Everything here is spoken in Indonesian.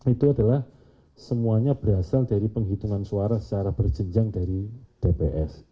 itu adalah semuanya berasal dari penghitungan suara secara berjenjang dari tps